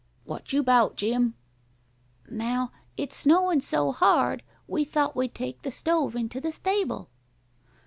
"What you 'bout, Jim?" "Now it's snowin' so hard, we thought we'd take the stove into the stable."